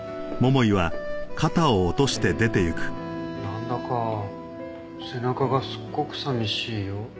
なんだか背中がすっごく寂しいよ。